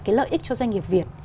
cái lợi ích cho doanh nghiệp việt